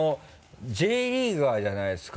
Ｊリーガーじゃないですか。